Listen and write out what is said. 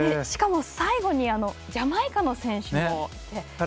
しかも最後にジャマイカの選手も。